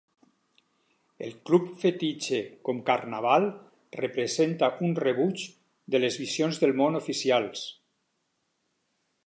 El club fetitxe com carnaval representa un rebuig de les visions del món "oficials".